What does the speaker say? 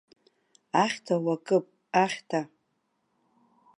Ахьҭа уакып, ахьҭа!